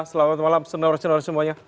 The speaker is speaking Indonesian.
selamat malam senar senar semuanya